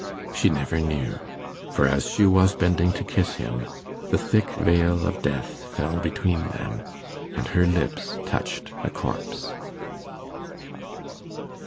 She never knew; for, as she was bending to kiss him, the thick veil of death fell between them, and her lips touched a corpse.